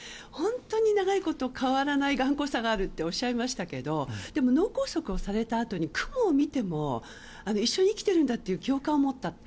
本当に長いこと変わらない頑固さがあるとおっしゃいましたけどでも脳梗塞をされたあとにクモを見ても一緒に生きてるんだという共感を持った。